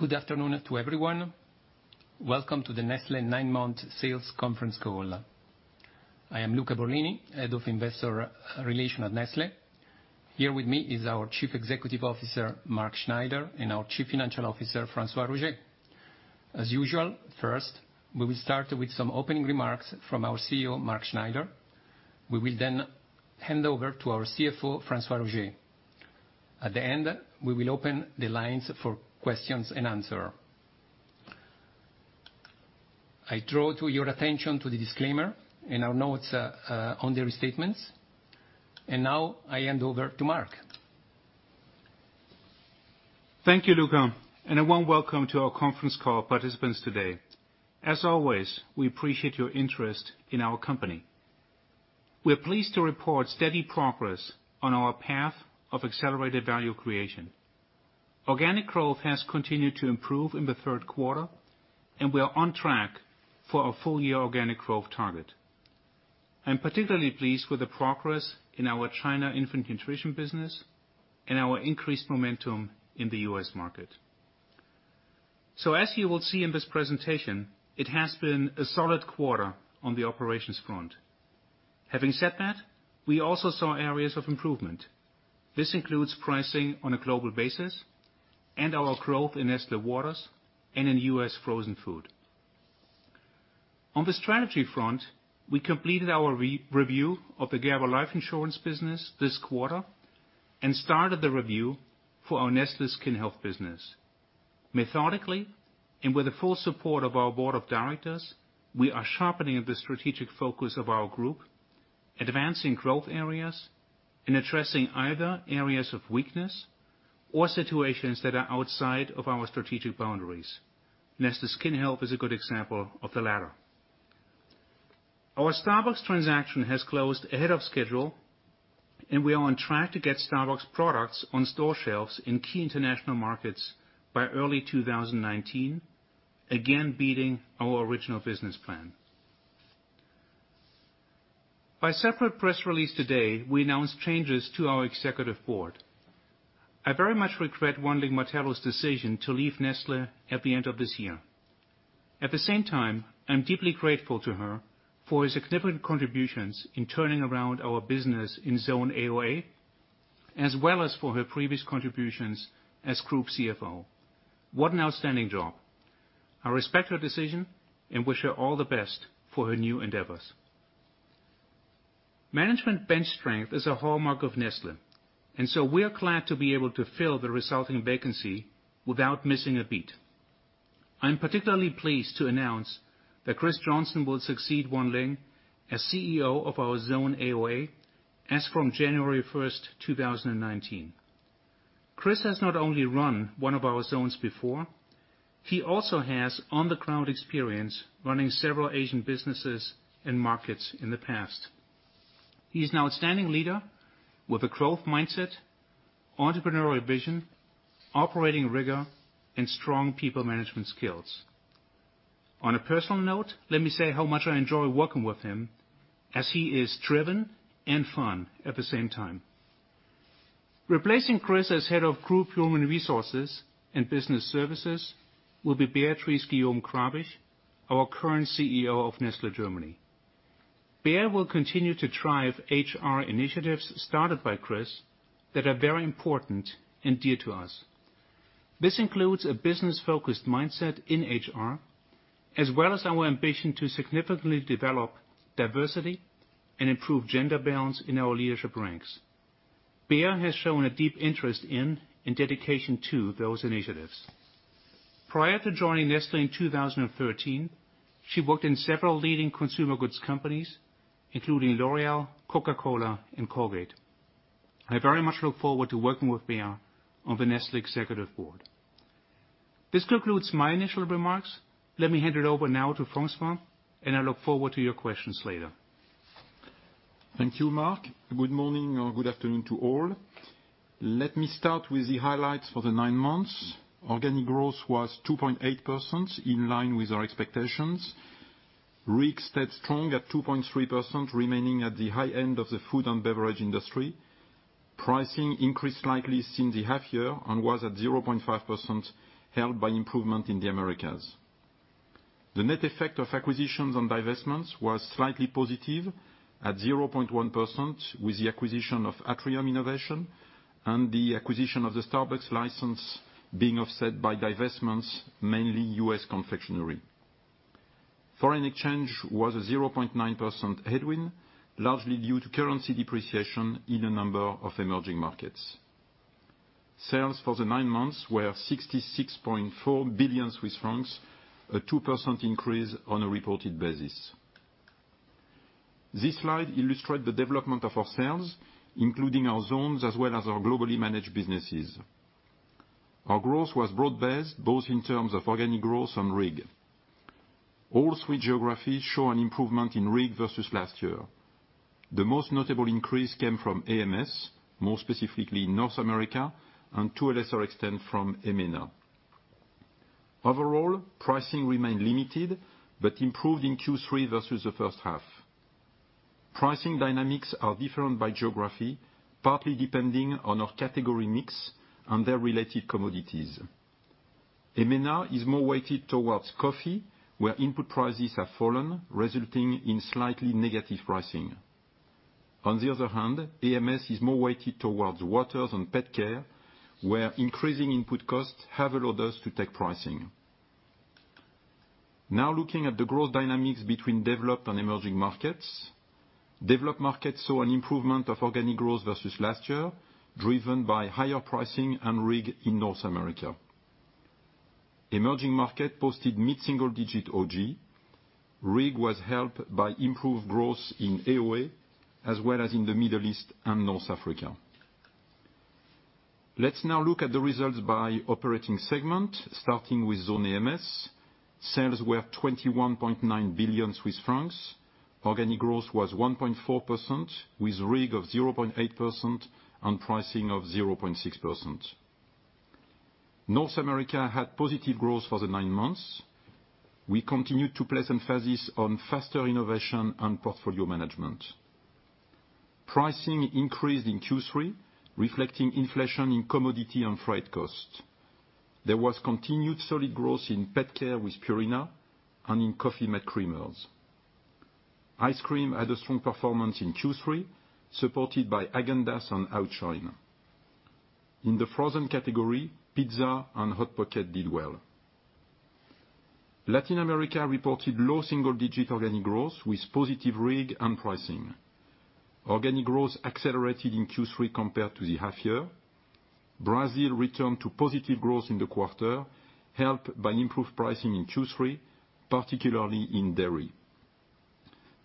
Good afternoon to everyone. Welcome to the Nestlé Nine Month Sales Conference Call. I am Luca Borlini, Head of Investor Relations at Nestlé. Here with me is our Chief Executive Officer, Mark Schneider, and our Chief Financial Officer, François-Xavier Roger. As usual, first, we will start with some opening remarks from our CEO, Mark Schneider. We will then hand over to our CFO, François-Xavier Roger. At the end, we will open the lines for questions and answer. I draw your attention to the disclaimer in our notes on the restatements. Now I hand over to Mark. Thank you, Luca, and a warm welcome to our conference call participants today. As always, we appreciate your interest in our company. We're pleased to report steady progress on our path of accelerated value creation. Organic growth has continued to improve in the third quarter, and we are on track for our full-year organic growth target. I'm particularly pleased with the progress in our China infant nutrition business and our increased momentum in the U.S. market. As you will see in this presentation, it has been a solid quarter on the operations front. Having said that, we also saw areas of improvement. This includes pricing on a global basis and our growth in Nestlé Waters and in U.S. frozen food. On the strategy front, we completed our review of the Gerber Life Insurance business this quarter and started the review for our Nestlé Skin Health business. Methodically, and with the full support of our board of directors, we are sharpening the strategic focus of our group, advancing growth areas, and addressing either areas of weakness or situations that are outside of our strategic boundaries. Nestlé Skin Health is a good example of the latter. Our Starbucks transaction has closed ahead of schedule, and we are on track to get Starbucks products on store shelves in key international markets by early 2019. Again, beating our original business plan. By separate press release today, we announced changes to our executive board. I very much regret Wan Ling Martello's decision to leave Nestlé at the end of this year. At the same time, I'm deeply grateful to her for her significant contributions in turning around our business in Zone AOA, as well as for her previous contributions as Group CFO. What an outstanding job. I respect her decision and wish her all the best for her new endeavors. So we are glad to be able to fill the resulting vacancy without missing a beat. I'm particularly pleased to announce that Chris Johnson will succeed Wan Ling as CEO of our Zone AOA as from January 1, 2019. Chris has not only run one of our zones before, he also has on-the-ground experience running several Asian businesses and markets in the past. He is an outstanding leader with a growth mindset, entrepreneurial vision, operating rigor, and strong people management skills. On a personal note, let me say how much I enjoy working with him, as he is driven and fun at the same time. Replacing Chris as Head of Group Human Resources and Business Services will be Béatrice Guillaume-Grabisch, our current CEO of Nestlé Germany. Béa will continue to drive HR initiatives started by Chris that are very important and dear to us. This includes a business-focused mindset in HR, as well as our ambition to significantly develop diversity and improve gender balance in our leadership ranks. Béa has shown a deep interest in and dedication to those initiatives. Prior to joining Nestlé in 2013, she worked in several leading consumer goods companies, including L'Oréal, Coca-Cola, and Colgate. I very much look forward to working with Béa on the Nestlé executive board. This concludes my initial remarks. Let me hand it over now to François, and I look forward to your questions later. Thank you, Mark. Good morning or good afternoon to all. Let me start with the highlights for the nine months. Organic growth was 2.8%, in line with our expectations. RIG stayed strong at 2.3%, remaining at the high end of the food and beverage industry. Pricing increased slightly since the half year and was at 0.5%, helped by improvement in the Americas. The net effect of acquisitions and divestments was slightly positive at 0.1% with the acquisition of Atrium Innovations and the acquisition of the Starbucks license being offset by divestments, mainly U.S. confectionery. Foreign exchange was a 0.9% headwind, largely due to currency depreciation in a number of emerging markets. Sales for the nine months were 66.4 billion Swiss francs, a 2% increase on a reported basis. This slide illustrates the development of our sales, including our zones as well as our globally managed businesses. Our growth was broad-based, both in terms of organic growth and RIG. All three geographies show an improvement in RIG versus last year. The most notable increase came from AMS, more specifically North America, and to a lesser extent, from MENA. Overall, pricing remained limited, but improved in Q3 versus the first half. Pricing dynamics are different by geography, partly depending on our category mix and their related commodities. EMENA is more weighted towards coffee, where input prices have fallen, resulting in slightly negative pricing. On the other hand, AMS is more weighted towards waters and pet care, where increasing input costs have allowed us to take pricing. Now looking at the growth dynamics between developed and emerging markets. Developed markets saw an improvement of organic growth versus last year, driven by higher pricing and RIG in North America. Emerging market posted mid-single digit OG. RIG was helped by improved growth in AoA, as well as in the Middle East and North Africa. Let's now look at the results by operating segment, starting with zone AMS. Sales were 21.9 billion Swiss francs. Organic growth was 1.4%, with RIG of 0.8% and pricing of 0.6%. North America had positive growth for the nine months. We continued to place emphasis on faster innovation and portfolio management. Pricing increased in Q3, reflecting inflation in commodity and freight costs. There was continued solid growth in pet care with Purina and in coffee malt creamers. Ice cream had a strong performance in Q3, supported by Häagen-Dazs and Outshine. In the frozen category, Pizza and Hot Pockets did well. Latin America reported low single-digit organic growth with positive RIG and pricing. Organic growth accelerated in Q3 compared to the half year. Brazil returned to positive growth in the quarter, helped by improved pricing in Q3, particularly in dairy.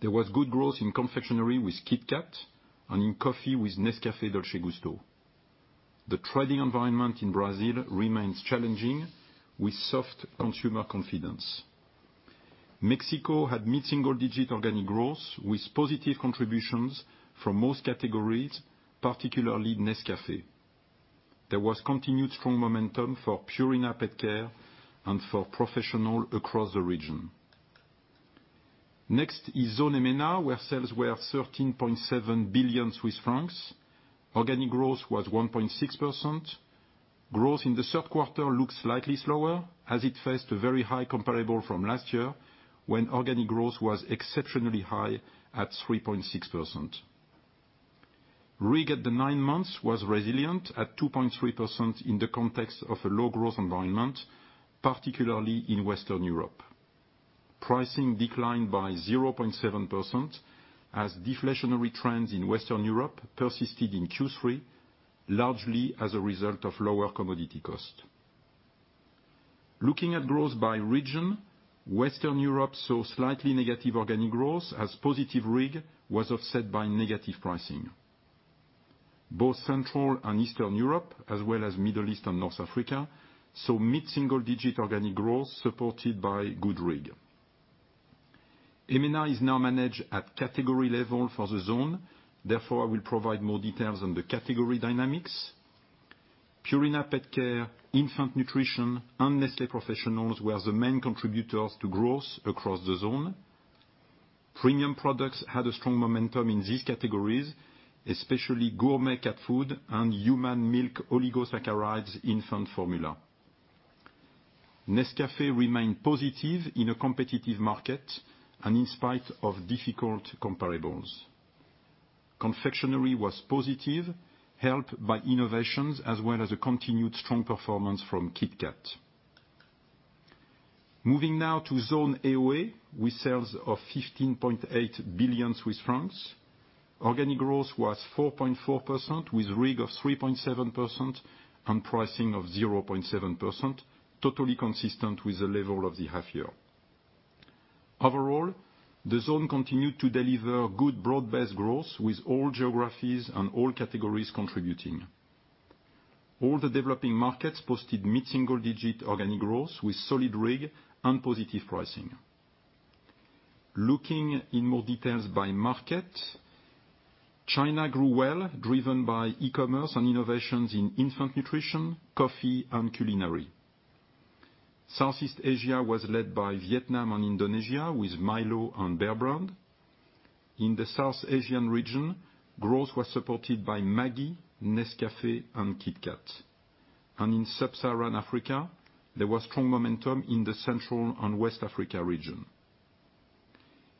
There was good growth in confectionery with KitKat and in coffee with Nescafé Dolce Gusto. The trading environment in Brazil remains challenging with soft consumer confidence. Mexico had mid-single-digit organic growth with positive contributions from most categories, particularly Nescafé. There was continued strong momentum for Purina pet care and for Professional across the region. Next is zone EMENA, where sales were 13.7 billion Swiss francs. Organic growth was 1.6%. Growth in the third quarter looks slightly slower as it faced a very high comparable from last year, when organic growth was exceptionally high at 3.6%. RIG at the nine months was resilient at 2.3% in the context of a low growth environment, particularly in Western Europe. Pricing declined by 0.7% as deflationary trends in Western Europe persisted in Q3, largely as a result of lower commodity cost. Looking at growth by region, Western Europe saw slightly negative organic growth as positive RIG was offset by negative pricing. Both Central and Eastern Europe, as well as Middle East and North Africa, saw mid-single-digit organic growth supported by good RIG. EMENA is now managed at category level for the zone. I will provide more details on the category dynamics. Purina pet care, infant nutrition, and Nestlé Professional were the main contributors to growth across the zone. Premium products had a strong momentum in these categories, especially gourmet cat food and human milk oligosaccharides infant formula. Nescafé remained positive in a competitive market and in spite of difficult comparables. Confectionery was positive, helped by innovations as well as a continued strong performance from KitKat. Moving now to zone AOA with sales of 15.8 billion Swiss francs. Organic growth was 4.4% with RIG of 3.7% and pricing of 0.7%, totally consistent with the level of the half year. Overall, the zone continued to deliver good broad-based growth with all geographies and all categories contributing. All the developing markets posted mid-single-digit organic growth with solid RIG and positive pricing. Looking in more details by market. China grew well, driven by e-commerce and innovations in infant nutrition, coffee, and culinary. Southeast Asia was led by Vietnam and Indonesia with Milo and Bear Brand. In the South Asian region, growth was supported by Maggi, Nescafé, and KitKat. In sub-Saharan Africa, there was strong momentum in the Central and West Africa region.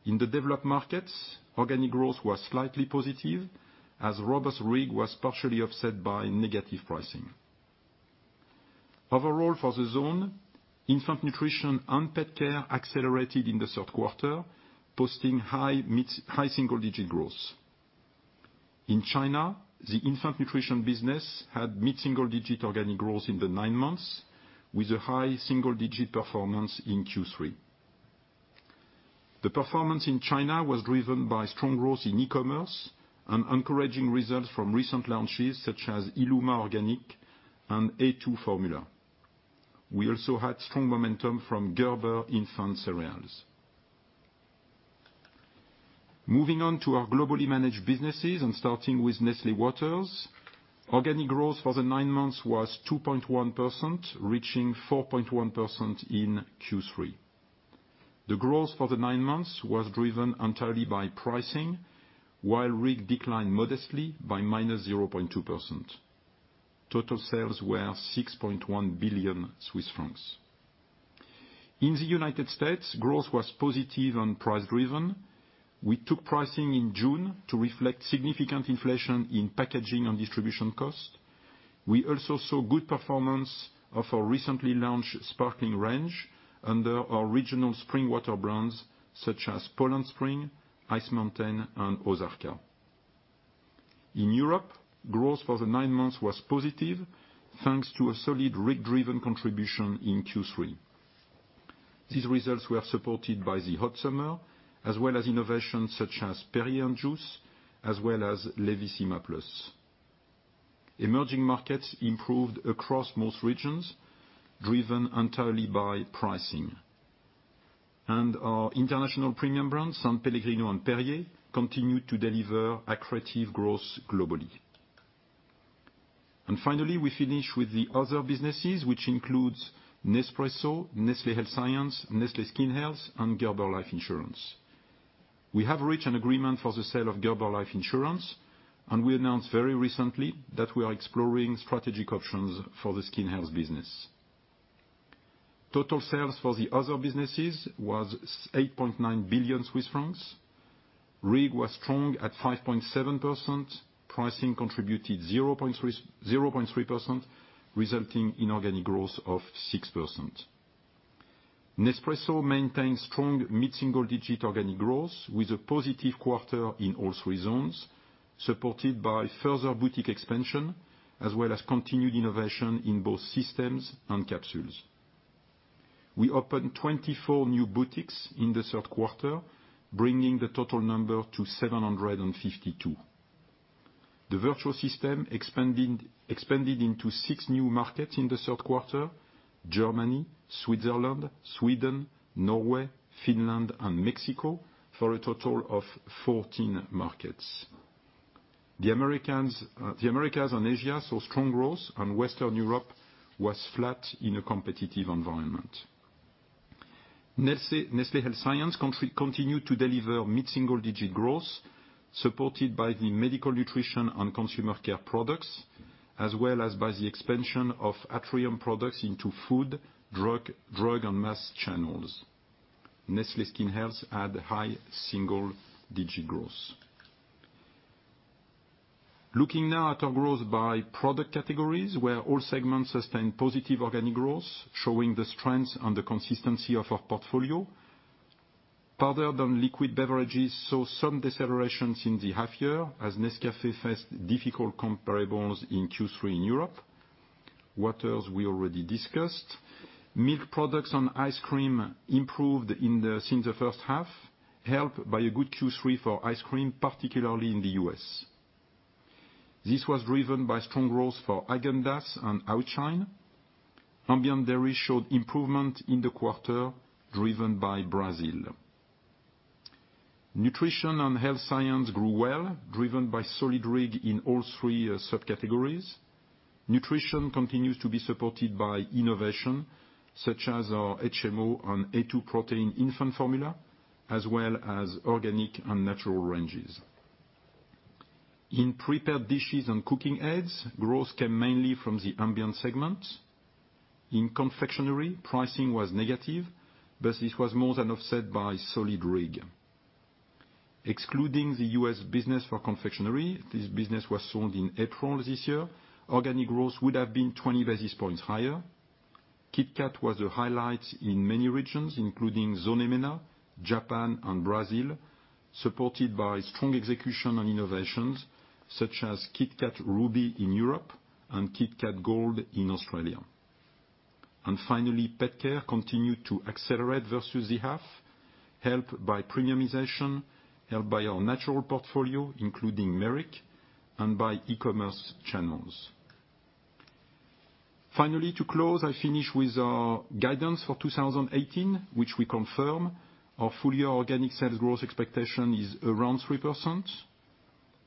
In the developed markets, organic growth was slightly positive as robust RIG was partially offset by negative pricing. Overall for the zone, infant nutrition and pet care accelerated in the third quarter, posting high-single-digit growth. In China, the infant nutrition business had mid-single-digit organic growth in the nine months, with a high-single-digit performance in Q3. The performance in China was driven by strong growth in e-commerce and encouraging results from recent launches such as Illuma Organic and A2 Formula. We also had strong momentum from Gerber infant cereals. Moving on to our globally managed businesses and starting with Nestlé Waters. Organic growth for the nine months was 2.1%, reaching 4.1% in Q3. The growth for the nine months was driven entirely by pricing, while RIG declined modestly by minus 0.2%. Total sales were 6.1 billion Swiss francs. In the U.S., growth was positive and price-driven. We took pricing in June to reflect significant inflation in packaging and distribution costs. We also saw good performance of our recently launched sparkling range under our regional spring water brands such as Poland Spring, Ice Mountain, and Ozarka. In Europe, growth for the nine months was positive, thanks to a solid RIG-driven contribution in Q3. These results were supported by the hot summer, as well as innovations such as Perrier & Juice, as well as Levissima Plus. Our international premium brands, S.Pellegrino and Perrier, continue to deliver accretive growth globally. Finally, we finish with the other businesses, which includes Nespresso, Nestlé Health Science, Nestlé Skin Health, and Gerber Life Insurance. We have reached an agreement for the sale of Gerber Life Insurance, we announced very recently that we are exploring strategic options for the Skin Health business. Total sales for the other businesses was 8.9 billion Swiss francs. RIG was strong at 5.7%. Pricing contributed 0.3%, resulting in organic growth of 6%. Nespresso maintains strong mid-single-digit organic growth with a positive quarter in all three zones, supported by further boutique expansion as well as continued innovation in both systems and capsules. We opened 24 new boutiques in the third quarter, bringing the total number to 752. The Vertuo system expanded into six new markets in the third quarter, Germany, Switzerland, Sweden, Norway, Finland, and Mexico, for a total of 14 markets. The Americas and Asia saw strong growth, Western Europe was flat in a competitive environment. Nestlé Health Science continued to deliver mid-single-digit growth, supported by the medical nutrition and consumer care products, as well as by the expansion of Atrium products into food, drug, and mass channels. Nestlé Skin Health had high-single-digit growth. Looking now at our growth by product categories, where all segments sustained positive organic growth, showing the strength and the consistency of our portfolio. Powder and liquid beverages saw some decelerations in the half year as Nescafé faced difficult comparables in Q3 in Europe. Waters, we already discussed. Milk products and ice cream improved since the first half, helped by a good Q3 for ice cream, particularly in the U.S. This was driven by strong growth for Häagen-Dazs and Outshine. Ambient dairy showed improvement in the quarter, driven by Brazil. Nutrition and health science grew well, driven by solid RIG in all three subcategories. Nutrition continues to be supported by innovation, such as our HMO and A2 protein infant formula, as well as organic and natural ranges. In prepared dishes and cooking aids, growth came mainly from the ambient segment. In confectionery, pricing was negative, this was more than offset by solid RIG. Excluding the U.S. business for confectionery, this business was sold in April this year, organic growth would have been 20 basis points higher. KitKat was a highlight in many regions, including Zone EMENA, Japan, and Brazil, supported by strong execution and innovations such as KitKat Ruby in Europe and KitKat Gold in Australia. Finally, pet care continued to accelerate versus the half, helped by premiumization, helped by our natural portfolio, including Merrick, and by e-commerce channels. Finally, to close, I finish with our guidance for 2018, which we confirm our full-year organic sales growth expectation is around 3%.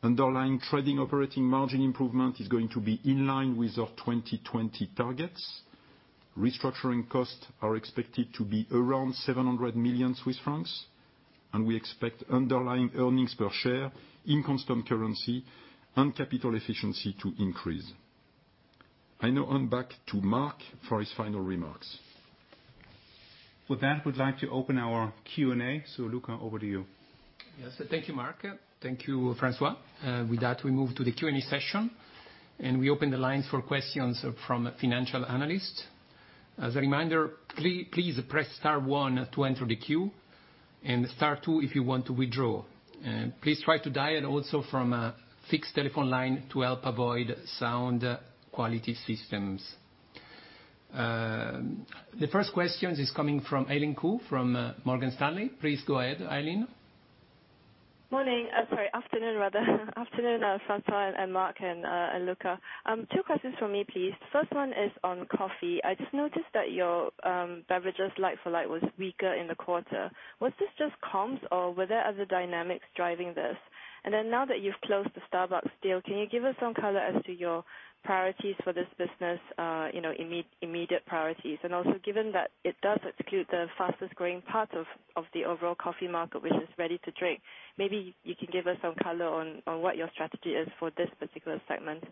Underlying trading operating margin improvement is going to be in line with our 2020 targets. Restructuring costs are expected to be around 700 million Swiss francs. We expect underlying earnings per share in constant currency and capital efficiency to increase. I now hand back to Mark for his final remarks. With that, we'd like to open our Q&A. Luca, over to you. Yes, thank you, Mark. Thank you, François. With that, we move to the Q&A session. We open the lines for questions from financial analysts. As a reminder, please press star one to enter the queue and star two if you want to withdraw. Please try to dial also from a fixed telephone line to help avoid sound quality systems. The first question is coming from Eileen Khoo from Morgan Stanley. Please go ahead, Eileen. Morning. Sorry, afternoon rather. Afternoon, François, Mark, and Luca. Two questions from me, please. First one is on coffee. I just noticed that your beverages like for like was weaker in the quarter. Was this just comps, or were there other dynamics driving this? Now that you've closed the Starbucks deal, can you give us some color as to your priorities for this business, immediate priorities? Also, given that it does execute the fastest-growing part of the overall coffee market, which is ready to drink, maybe you can give us some color on what your strategy is for this particular segment.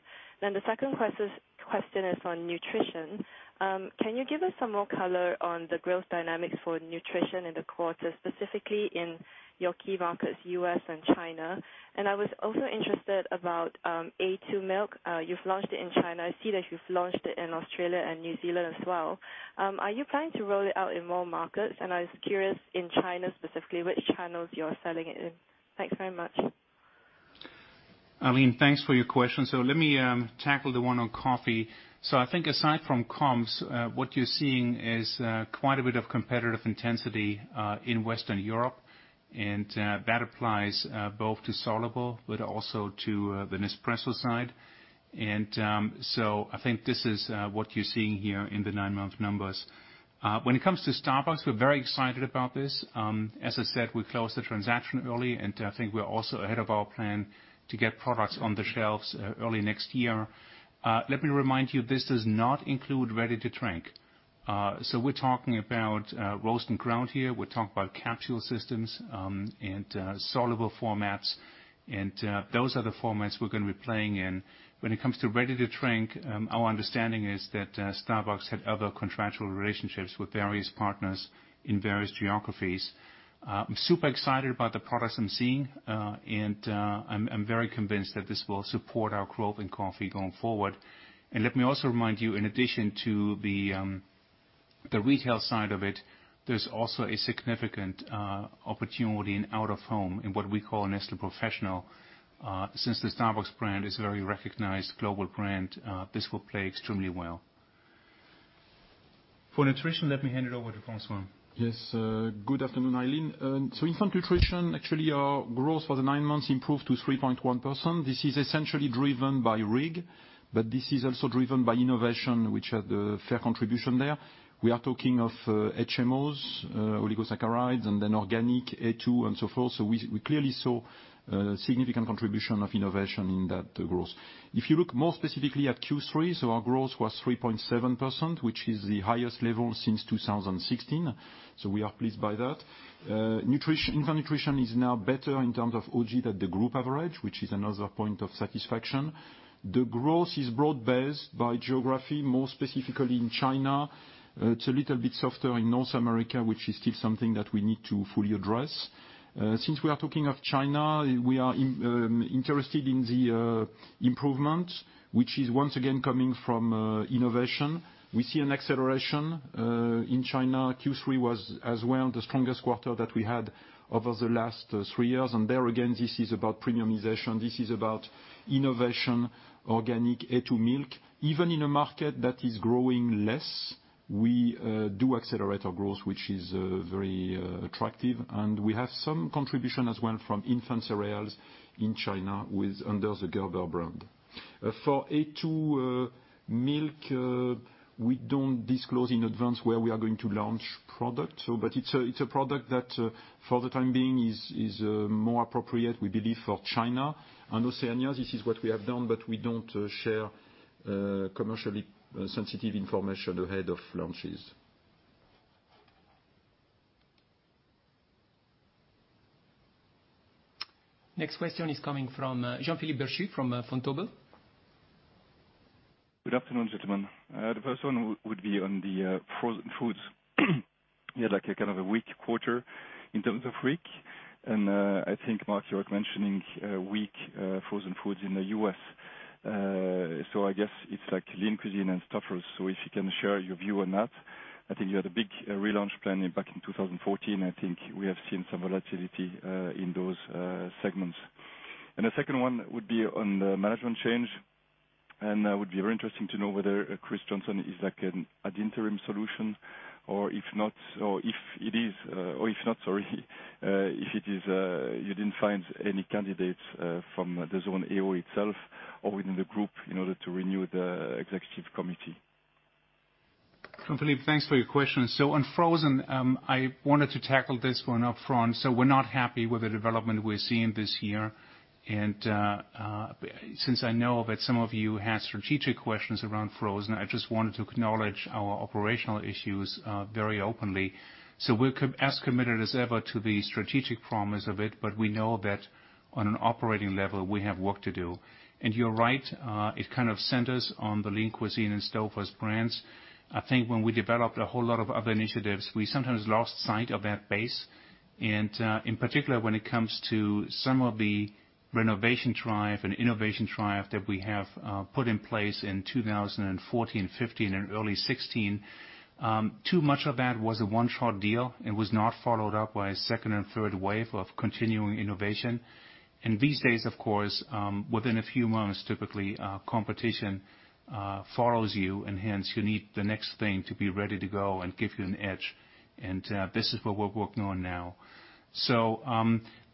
The second question is on nutrition. Can you give us some more color on the growth dynamics for nutrition in the quarter, specifically in your key markets, U.S. and China? I was also interested about A2 milk. You've launched it in China. I see that you've launched it in Australia and New Zealand as well. Are you planning to roll it out in more markets? I was curious, in China specifically, which channels you're selling it in. Thanks very much. Eileen, thanks for your question. Let me tackle the one on coffee. I think aside from comps, what you're seeing is quite a bit of competitive intensity in Western Europe, and that applies both to soluble but also to the Nespresso side. I think this is what you're seeing here in the nine-month numbers. When it comes to Starbucks, we're very excited about this. As I said, we closed the transaction early, and I think we're also ahead of our plan to get products on the shelves early next year. Let me remind you, this does not include ready-to-drink. We're talking about roast and ground here. We're talking about capsule systems and soluble formats. Those are the formats we're going to be playing in. When it comes to ready-to-drink, our understanding is that Starbucks had other contractual relationships with various partners in various geographies. Yes. I'm super excited about the products I'm seeing, and I'm very convinced that this will support our growth in coffee going forward. Let me also remind you, in addition to the retail side of it, there's also a significant opportunity in out-of-home, in what we call Nestlé Professional. Since the Starbucks brand is a very recognized global brand, this will play extremely well. For nutrition, let me hand it over to François. Yes. Good afternoon, Eileen. Infant nutrition, actually our growth for the nine months improved to 3.1%. This is essentially driven by RIG, but this is also driven by innovation, which had a fair contribution there. We are talking of HMOs, oligosaccharides, and then organic A2 and so forth. We clearly saw a significant contribution of innovation in that growth. If you look more specifically at Q3, our growth was 3.7%, which is the highest level since 2016. We are pleased by that. Infant nutrition is now better in terms of OG than the group average, which is another point of satisfaction. The growth is broad-based by geography, more specifically in China. It's a little bit softer in North America, which is still something that we need to fully address. Since we are talking of China, we are interested in the improvement, which is once again coming from innovation. We see an acceleration in China. Q3 was as well the strongest quarter that we had over the last three years. There again, this is about premiumization. This is about innovation, organic, A2 milk. Even in a market that is growing less, we do accelerate our growth, which is very attractive. We have some contribution as well from infant cereals in China with under the Gerber brand. For A2 milk, we don't disclose in advance where we are going to launch product. It's a product that for the time being is more appropriate, we believe, for China and Oceania. This is what we have done, but we don't share commercially sensitive information ahead of launches. Next question is coming from Jean-Philippe Bertschy from Vontobel. Good afternoon, gentlemen. The first one would be on the frozen foods. You had like a kind of a weak quarter in terms of RIG. I think, Mark, you were mentioning weak frozen foods in the U.S. I guess it's like Lean Cuisine and Stouffer's. If you can share your view on that. I think you had a big relaunch plan back in 2014. I think we have seen some volatility in those segments. The second one would be on the management change. Would be very interesting to know whether Chris Johnson is like an interim solution or if not, sorry. If it is, you didn't find any candidates from the Zone AO itself or within the Group in order to renew the Executive Committee. Jean-Philippe, thanks for your question. On frozen, I wanted to tackle this one up front. We're not happy with the development we're seeing this year. Since I know that some of you had strategic questions around frozen, I just wanted to acknowledge our operational issues very openly. We're as committed as ever to the strategic promise of it, but we know that on an operating level, we have work to do. You're right, it kind of centers on the Lean Cuisine and Stouffer's brands. I think when we developed a whole lot of other initiatives, we sometimes lost sight of that base. In particular, when it comes to some of the renovation drive and innovation drive that we have put in place in 2014, 2015, and early 2016, too much of that was a one-shot deal and was not followed up by a second and third wave of continuing innovation. These days, of course, within a few months, typically, competition follows you and hence you need the next thing to be ready to go and give you an edge. This is what we're working on now.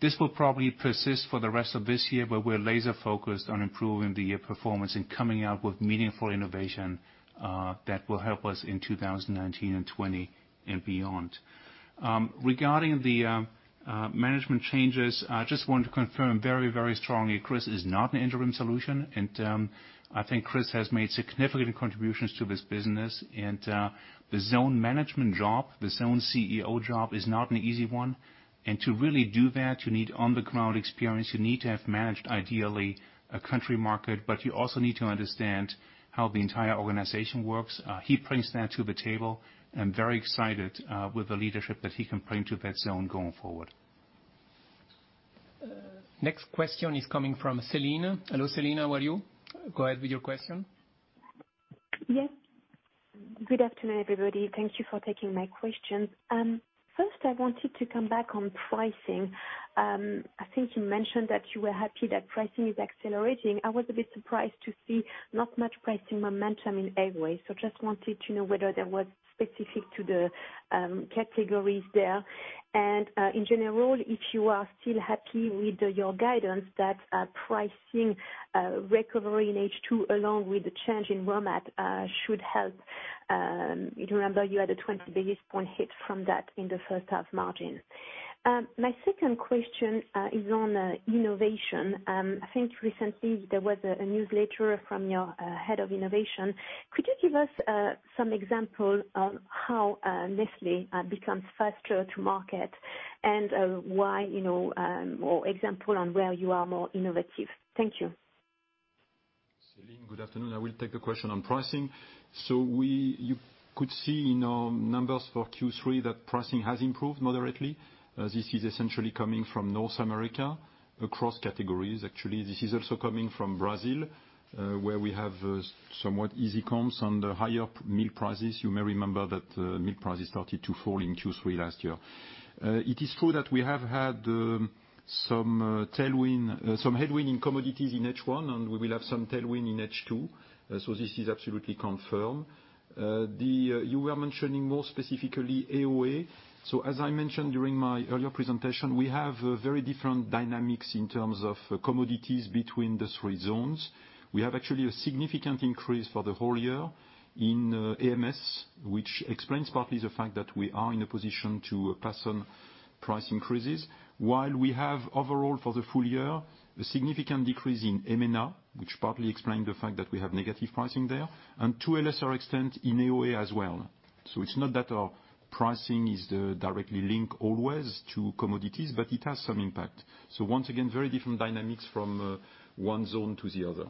This will probably persist for the rest of this year, but we're laser focused on improving the performance and coming out with meaningful innovation that will help us in 2019 and 2020 and beyond. Regarding the management changes, I just want to confirm very strongly, Chris is not an interim solution. I think Chris has made significant contributions to this business and the zone management job, the zone CEO job is not an easy one. To really do that, you need on-the-ground experience. You need to have managed, ideally, a country market, but you also need to understand how the entire organization works. He brings that to the table. I'm very excited with the leadership that he can bring to that zone going forward. Next question is coming from Celine. Hello, Celine, how are you? Go ahead with your question. Yes. Good afternoon, everybody. Thank you for taking my questions. First I wanted to come back on pricing. I think you mentioned that you were happy that pricing is accelerating. I was a bit surprised to see not much pricing momentum in AOA. Just wanted to know whether that was specific to the categories there. In general, if you are still happy with your guidance that pricing recovery in H2 along with the change in raw mat should help. You remember you had a 20 basis point hit from that in the first half margin. My second question is on innovation. I think recently there was a newsletter from your head of innovation. Could you give us some example on how Nestlé becomes faster to market and why, or example on where you are more innovative. Thank you. Celine, good afternoon. I will take the question on pricing. You could see in our numbers for Q3 that pricing has improved moderately. This is essentially coming from North America across categories. Actually, this is also coming from Brazil, where we have somewhat easy comps on the higher milk prices. You may remember that milk prices started to fall in Q3 last year. It is true that we have had some headwind in commodities in H1, and we will have some tailwind in H2. This is absolutely confirmed. You were mentioning more specifically AOA. As I mentioned during my earlier presentation, we have very different dynamics in terms of commodities between the three zones. We have actually a significant increase for the whole year in AMS, which explains partly the fact that we are in a position to pass on price increases, while we have overall for the full year, a significant decrease in EMENA, which partly explain the fact that we have negative pricing there, and to a lesser extent in AOA as well. It's not that our pricing is directly linked always to commodities, but it has some impact. Once again, very different dynamics from one zone to the other.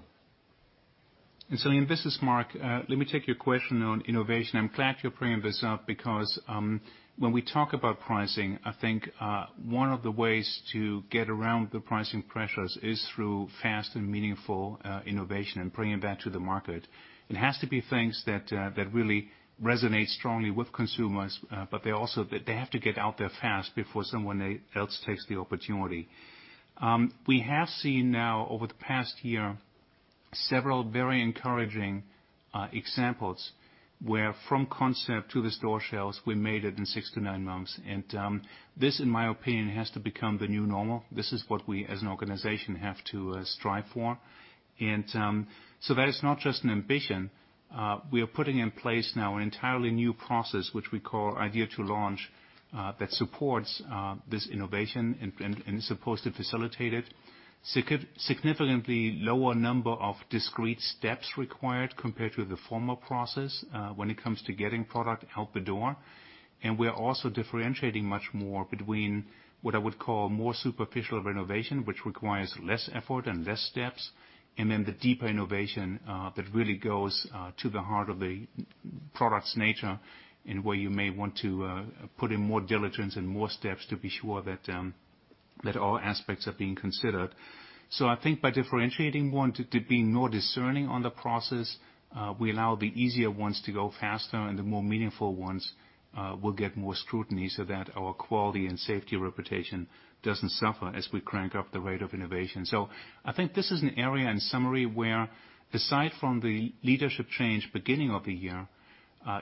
Celine, this is Mark. Let me take your question on innovation. I'm glad you're bringing this up because when we talk about pricing, I think one of the ways to get around the pricing pressures is through fast and meaningful innovation and bringing that to the market. It has to be things that really resonate strongly with consumers, but they have to get out there fast before someone else takes the opportunity. We have seen now over the past year, several very encouraging examples where from concept to the store shelves, we made it in 6 to 9 months. This, in my opinion, has to become the new normal. This is what we as an organization have to strive for. That is not just an ambition. We are putting in place now an entirely new process, which we call Idea to Launch, that supports this innovation and is supposed to facilitate it. Significantly lower number of discrete steps required compared to the former process when it comes to getting product out the door. We're also differentiating much more between what I would call more superficial renovation, which requires less effort and less steps, and then the deeper innovation that really goes to the heart of the product's nature, and where you may want to put in more diligence and more steps to be sure that all aspects are being considered. I think by differentiating, wanting to be more discerning on the process, we allow the easier ones to go faster and the more meaningful ones will get more scrutiny so that our quality and safety reputation doesn't suffer as we crank up the rate of innovation. I think this is an area in summary where aside from the leadership change beginning of the year,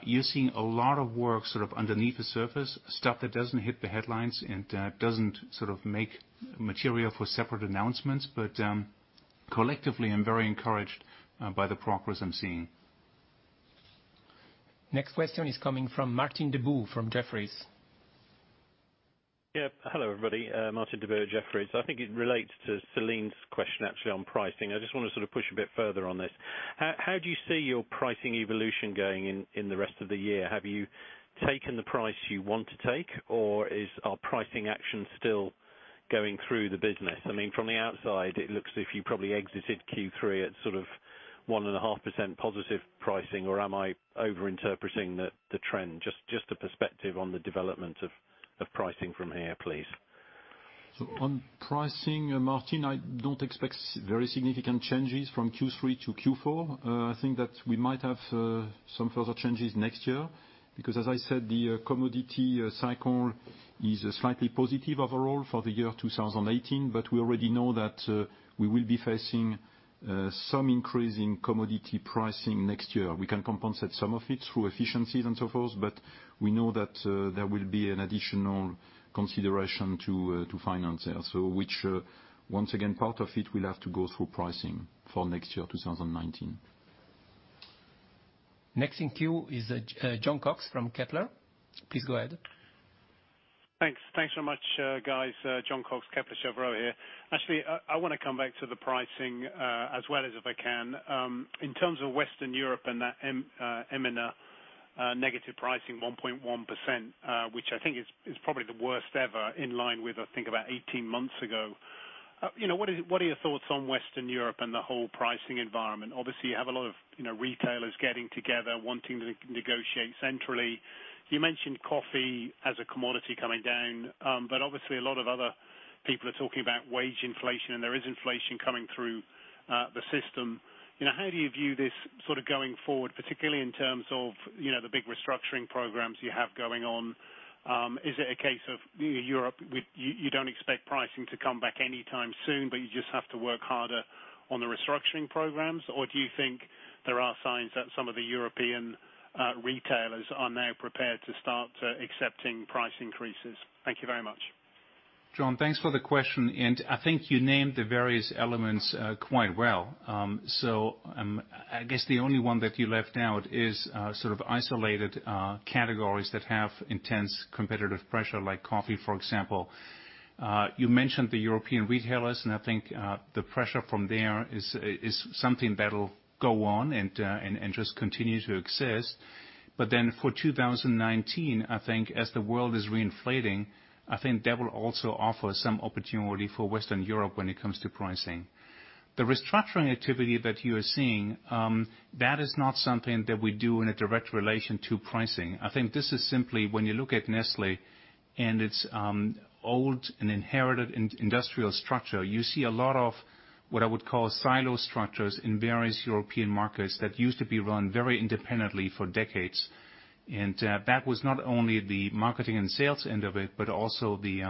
you're seeing a lot of work sort of underneath the surface, stuff that doesn't hit the headlines and doesn't make material for separate announcements. But collectively, I'm very encouraged by the progress I'm seeing. Next question is coming from Martin Deboo from Jefferies. Yeah. Hello, everybody. Martin Deboo, Jefferies. I think it relates to Celine's question actually on pricing. I just want to sort of push a bit further on this. How do you see your pricing evolution going in the rest of the year? Have you taken the price you want to take, or are pricing actions still going through the business? From the outside, it looks if you probably exited Q3 at sort of 1.5% positive pricing, or am I overinterpreting the trend? Just a perspective on the development of pricing from here, please. On pricing, Martin, I don't expect very significant changes from Q3 to Q4. I think that we might have some further changes next year, because as I said, the commodity cycle is slightly positive overall for the year 2018. We already know that we will be facing some increase in commodity pricing next year. We can compensate some of it through efficiencies and so forth, but we know that there will be an additional consideration to finance there. Which, once again, part of it will have to go through pricing for next year, 2019. Next in queue is Jon Cox from Kepler. Please go ahead. Thanks so much, guys. Jon Cox, Kepler Cheuvreux here. I want to come back to the pricing as well as if I can. In terms of Western Europe and that EMENA negative pricing 1.1%, which I think is probably the worst ever, in line with, I think, about 18 months ago. What are your thoughts on Western Europe and the whole pricing environment? You have a lot of retailers getting together wanting to negotiate centrally. You mentioned coffee as a commodity coming down. A lot of other people are talking about wage inflation, and there is inflation coming through the system. How do you view this going forward, particularly in terms of the big restructuring programs you have going on? Is it a case of Europe, you don't expect pricing to come back anytime soon, but you just have to work harder on the restructuring programs? Do you think there are signs that some of the European retailers are now prepared to start accepting price increases? Thank you very much. Jon, thanks for the question. I think you named the various elements quite well. I guess the only one that you left out is sort of isolated categories that have intense competitive pressure like coffee, for example. You mentioned the European retailers, and I think the pressure from there is something that'll go on and just continue to exist. For 2019, I think as the world is reinflating, I think that will also offer some opportunity for Western Europe when it comes to pricing. The restructuring activity that you are seeing, that is not something that we do in a direct relation to pricing. I think this is simply when you look at Nestlé and its old and inherited industrial structure, you see a lot of what I would call silo structures in various European markets that used to be run very independently for decades. That was not only the marketing and sales end of it, but also the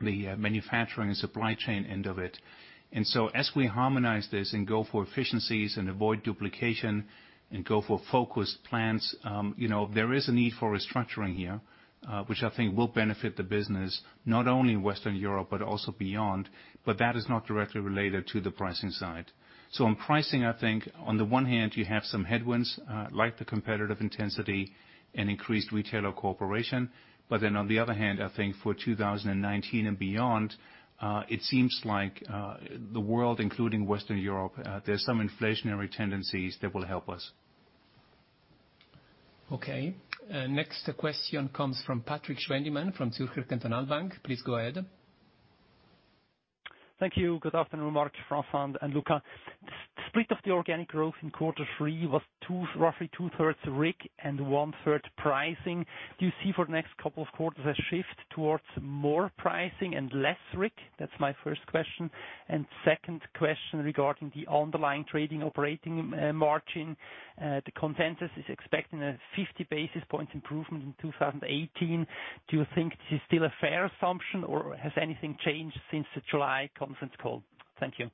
manufacturing and supply chain end of it. As we harmonize this and go for efficiencies and avoid duplication and go for focused plans, there is a need for restructuring here. Which I think will benefit the business not only in Western Europe but also beyond. That is not directly related to the pricing side. On pricing, I think on the one hand you have some headwinds, like the competitive intensity and increased retailer cooperation. On the other hand, I think for 2019 and beyond, it seems like the world, including Western Europe, there's some inflationary tendencies that will help us. Okay. Next question comes from Patrik Schwendimann from Zürcher Kantonalbank. Please go ahead. Thank you. Good afternoon, Mark, François, and Luca. The split of the organic growth in quarter three was roughly two-third RIG and one-third pricing. Do you see for the next couple of quarters a shift towards more pricing and less RIG? That's my first question. Second question regarding the underlying trading operating margin. The consensus is expecting a 50 basis points improvement in 2018. Do you think this is still a fair assumption, or has anything changed since the July conference call? Thank you.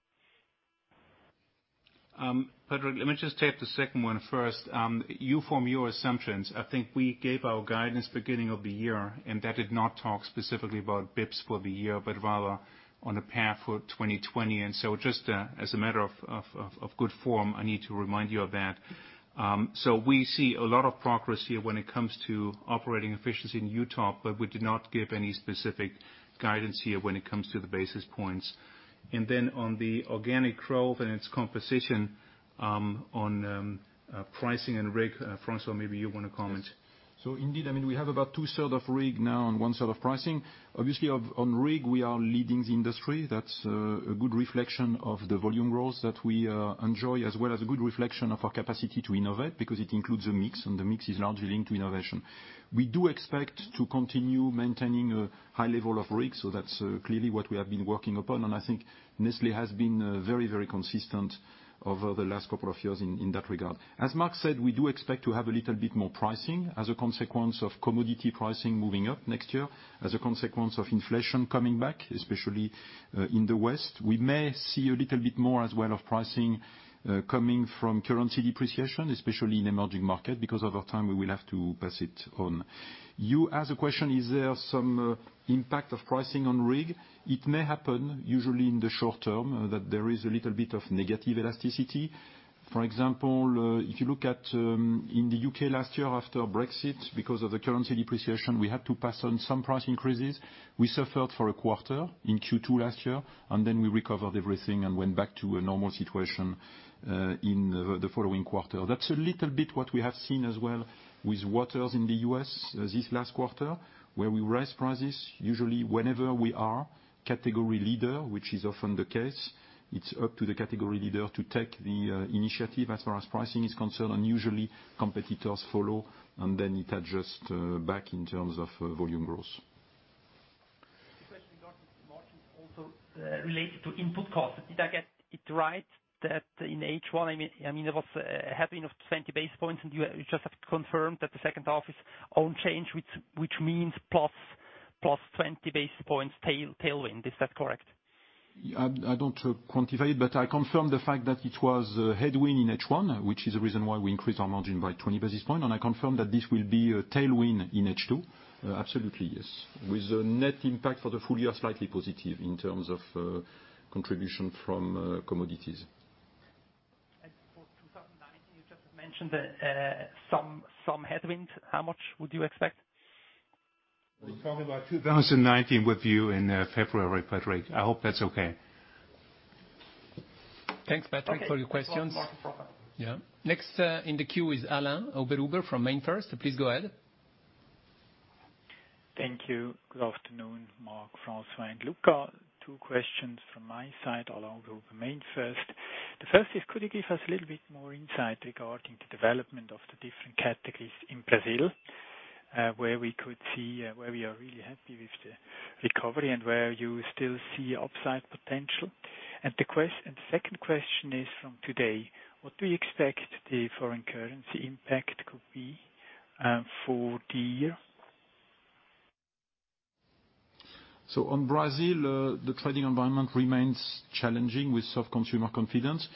Patrik, let me just take the second one first. You form your assumptions. I think we gave our guidance beginning of the year, that did not talk specifically about basis points for the year, but rather on a path for 2020. Just as a matter of good form, I need to remind you of that. We see a lot of progress here when it comes to operating efficiency in UTOP, but we did not give any specific guidance here when it comes to the basis points. Then on the organic growth and its composition on pricing and RIG, François, maybe you want to comment. Indeed, we have about two-third of RIG now and one-third of pricing. Obviously on RIG, we are leading the industry. That's a good reflection of the volume growth that we enjoy, as well as a good reflection of our capacity to innovate because it includes a mix, the mix is largely linked to innovation. We do expect to continue maintaining a high level of RIG, that's clearly what we have been working upon. I think Nestlé has been very consistent over the last couple of years in that regard. As Mark said, we do expect to have a little bit more pricing as a consequence of commodity pricing moving up next year, as a consequence of inflation coming back, especially in the West. We may see a little bit more as well of pricing coming from currency depreciation, especially in emerging market, because over time we will have to pass it on. You asked the question, is there some impact of pricing on RIG? It may happen usually in the short term that there is a little bit of negative elasticity. For example, if you look at in the U.K. last year after Brexit, because of the currency depreciation, we had to pass on some price increases. We suffered for a quarter in Q2 last year. Then we recovered everything and went back to a normal situation in the following quarter. That's a little bit what we have seen as well with waters in the U.S. this last quarter, where we raised prices usually whenever we are category leader, which is often the case. It's up to the category leader to take the initiative as far as pricing is concerned. Usually competitors follow. Then it adjusts back in terms of volume growth. Also related to input costs. Did I get it right that in H1, it was a headwind of 20 basis points, and you just have confirmed that the second half is on change, which means plus 20 basis points tailwind? Is that correct? I don't want to quantify it. I confirm the fact that it was a headwind in H1, which is the reason why we increased our margin by 20 basis points. I confirm that this will be a tailwind in H2. Absolutely, yes. With a net impact for the full year, slightly positive in terms of contribution from commodities. For 2019, you just mentioned some headwinds. How much would you expect? We'll tell you about 2019 with you in February, Patrik. I hope that's okay. Thanks, Patrik, for your questions. Okay. Yeah. Next in the queue is Alain-Sebastian Oberhuber from MainFirst. Please go ahead. Thank you. Good afternoon, Mark, François, and Luca. Two questions from my side, Alain-Sebastian Oberhuber, MainFirst. The first is, could you give us a little bit more insight regarding the development of the different categories in Brazil, where we could see where we are really happy with the recovery and where you still see upside potential? The second question is, from today, what do you expect the foreign currency impact could be for the year? On Brazil, the trading environment remains challenging with soft consumer confidence.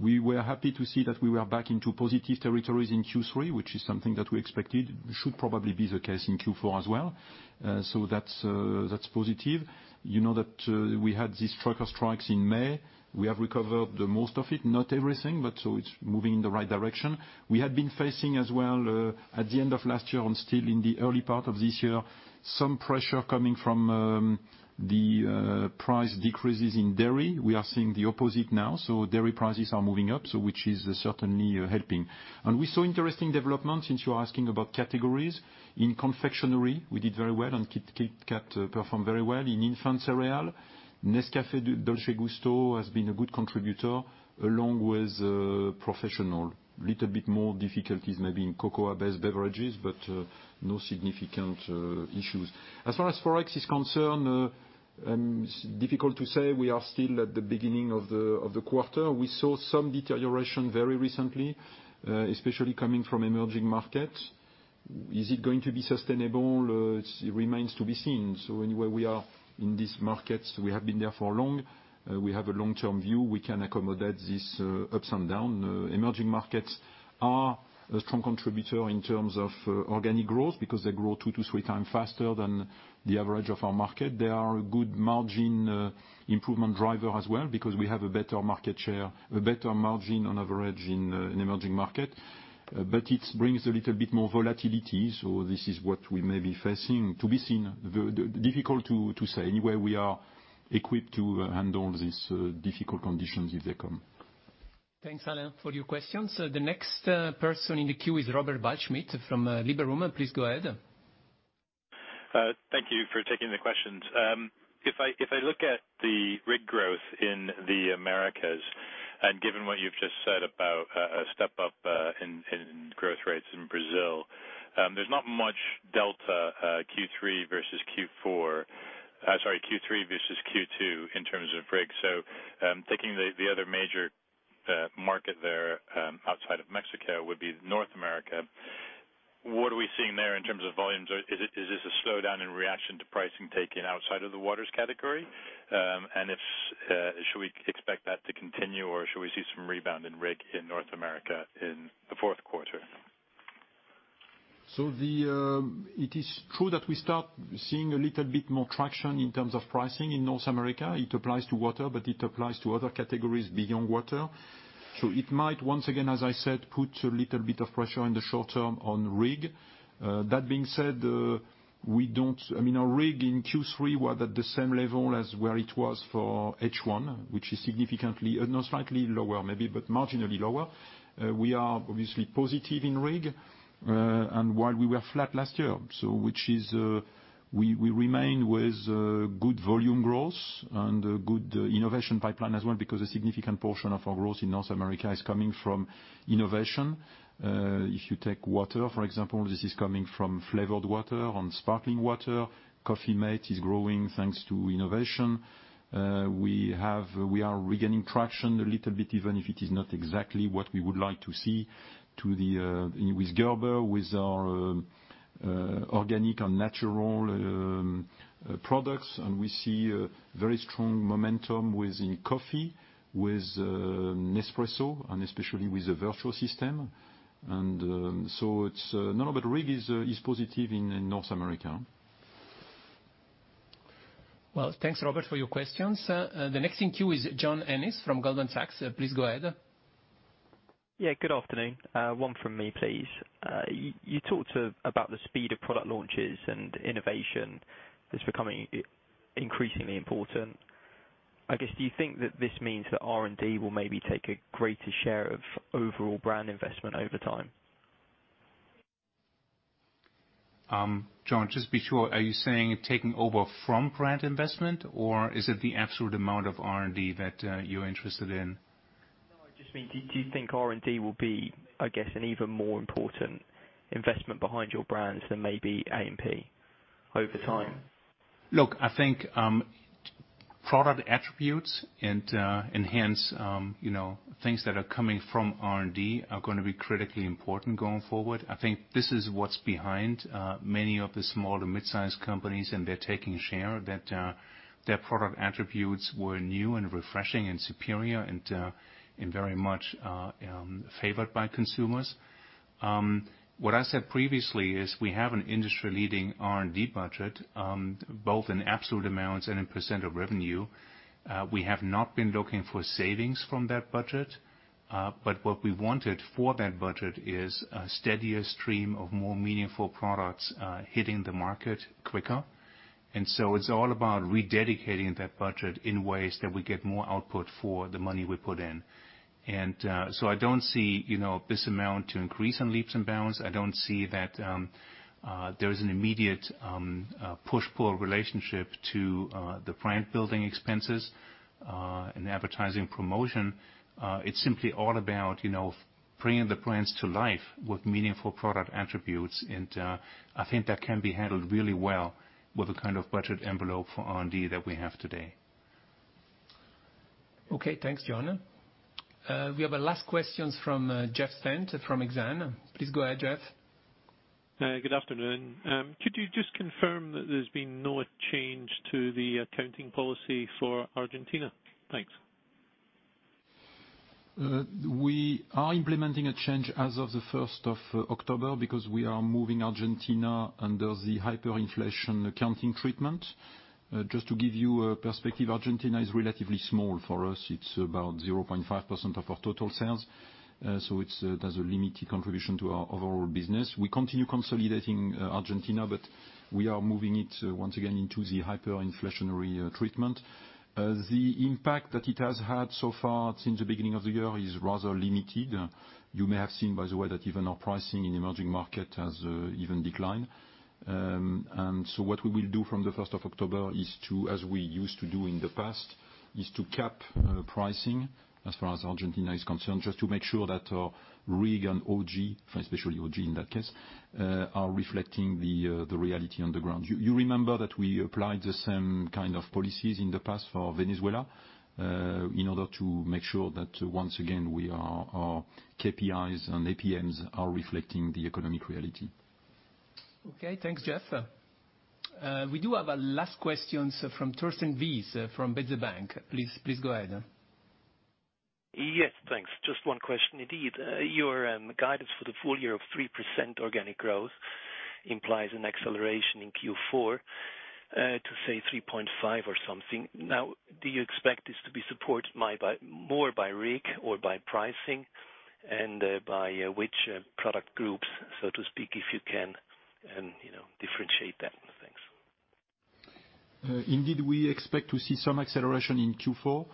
We were happy to see that we were back into positive territories in Q3, which is something that we expected, should probably be the case in Q4 as well. That's positive. You know that we had these trucker strikes in May. We have recovered the most of it, not everything, but so it's moving in the right direction. We had been facing as well, at the end of last year and still in the early part of this year, some pressure coming from the price decreases in dairy. We are seeing the opposite now. Dairy prices are moving up, so which is certainly helping. We saw interesting development since you are asking about categories. In confectionery, we did very well, and KitKat performed very well. In infant cereal, Nescafé Dolce Gusto has been a good contributor along with Nestlé Professional. Little bit more difficulties maybe in cocoa-based beverages, but no significant issues. As far as Forex is concerned, difficult to say. We are still at the beginning of the quarter. We saw some deterioration very recently, especially coming from emerging markets. Is it going to be sustainable? It remains to be seen. Anyway, we are in this market. We have been there for long. We have a long-term view. We can accommodate this ups and down. Emerging markets are a strong contributor in terms of organic growth because they grow two to three times faster than the average of our market. They are a good margin improvement driver as well because we have a better margin on average in emerging market, but it brings a little bit more volatility. This is what we may be facing. To be seen. Difficult to say. Anyway, we are equipped to handle these difficult conditions if they come. Thanks, Alain, for your questions. The next person in the queue is Robert Bason from Liberum. Please go ahead. Thank you for taking the questions. I look at the RIG growth in the Americas, given what you've just said about a step-up in growth rates in Brazil, there's not much delta Q3 versus Q4, sorry, Q3 versus Q2 in terms of RIG. Taking the other major market there, outside of Mexico, would be North America. What are we seeing there in terms of volumes? Is this a slowdown in reaction to pricing taken outside of the waters category? Should we expect that to continue, or should we see some rebound in RIG in North America in the fourth quarter? It is true that we start seeing a little bit more traction in terms of pricing in North America. It applies to water, it applies to other categories beyond water. It might, once again, as I said, put a little bit of pressure in the short term on RIG. That being said, our RIG in Q3 was at the same level as where it was for H1, which is significantly, slightly lower maybe, but marginally lower. We are obviously positive in RIG. While we were flat last year. We remain with good volume growth and a good innovation pipeline as well because a significant portion of our growth in North America is coming from innovation. You take water, for example, this is coming from flavored water and sparkling water. Coffee-mate is growing thanks to innovation. We are regaining traction a little bit, even if it is not exactly what we would like to see with Gerber, with our organic and natural products, we see very strong momentum within coffee, with Nespresso, and especially with the Vertuo system. No, RIG is positive in North America. Well, thanks, Robert, for your questions. The next in queue is Jon Ennis from Goldman Sachs. Please go ahead. Yeah, good afternoon. One from me, please. You talked about the speed of product launches and innovation is becoming increasingly important. I guess, do you think that this means that R&D will maybe take a greater share of overall brand investment over time? Jon, just be sure, are you saying taking over from brand investment, or is it the absolute amount of R&D that you're interested in? Just means, do you think R&D will be, I guess, an even more important investment behind your brands than maybe A&P over time? Look, I think product attributes and enhance things that are coming from R&D are going to be critically important going forward. I think this is what's behind many of the small to mid-size companies, and they're taking a share that their product attributes were new and refreshing and superior and very much favored by consumers. What I said previously is we have an industry-leading R&D budget, both in absolute amounts and in % of revenue. We have not been looking for savings from that budget. What we wanted for that budget is a steadier stream of more meaningful products hitting the market quicker. It's all about rededicating that budget in ways that we get more output for the money we put in. I don't see this amount to increase on leaps and bounds. I don't see that there is an immediate push-pull relationship to the brand-building expenses, and advertising promotion. It's simply all about bringing the brands to life with meaningful product attributes. I think that can be handled really well with the kind of budget envelope for R&D that we have today. Okay, thanks, Jon. We have a last question from Jeff Stent from Exane. Please go ahead, Jeff. Good afternoon. Could you just confirm that there's been no change to the accounting policy for Argentina? Thanks. We are implementing a change as of the 1st of October because we are moving Argentina under the hyperinflation accounting treatment. Just to give you a perspective, Argentina is relatively small for us. It's about 0.5% of our total sales. It has a limited contribution to our overall business. We continue consolidating Argentina, but we are moving it, once again, into the hyperinflationary treatment. The impact that it has had so far since the beginning of the year is rather limited. You may have seen, by the way, that even our pricing in emerging market has even declined. What we will do from the 1st of October is to, as we used to do in the past, is to cap pricing as far as Argentina is concerned, just to make sure that our RIG and OG, especially OG in that case, are reflecting the reality on the ground. You remember that we applied the same kind of policies in the past for Venezuela, in order to make sure that, once again, our KPIs and APMs are reflecting the economic reality. Okay. Thanks, Jeff. We do have a last question from Thorsten Wiese from Baader Bank. Please go ahead. Yes, thanks. Just one question indeed. Your guidance for the full year of 3% organic growth implies an acceleration in Q4 to, say, 3.5% or something. Now, do you expect this to be supported more by RIG or by pricing and by which product groups, so to speak, if you can differentiate that? Thanks. Indeed, we expect to see some acceleration in Q4.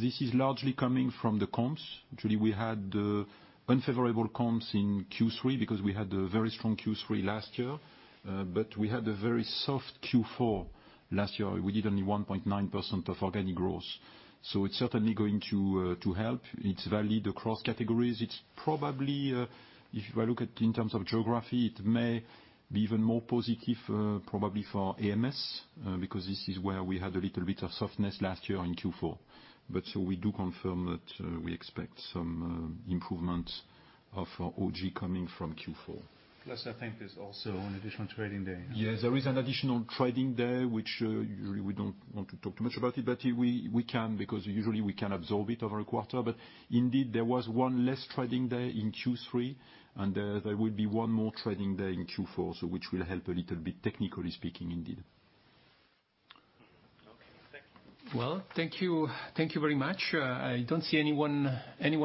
This is largely coming from the comps. Actually, we had unfavorable comps in Q3 because we had a very strong Q3 last year. We had a very soft Q4 last year. We did only 1.9% of organic growth. It's certainly going to help. It's valid across categories. It's probably, if I look at in terms of geography, it may be even more positive probably for AMS, because this is where we had a little bit of softness last year in Q4. We do confirm that we expect some improvement of OG coming from Q4. I think there's also an additional trading day. Yes, there is an additional trading day which we don't want to talk too much about it. We can because usually we can absorb it over a quarter. Indeed, there was one less trading day in Q3, and there will be one more trading day in Q4, which will help a little bit, technically speaking, indeed. Okay. Thank you. Well, thank you very much. I don't see anyone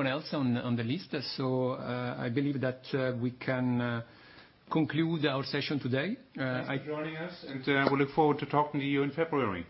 else on the list, so, I believe that we can conclude our session today. Thanks for joining us, and we look forward to talking to you in February.